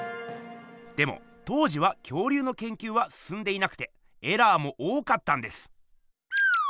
でも当時は恐竜のけんきゅうはすすんでいなくてエラーも多かったんです。